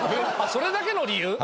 それだけの理由？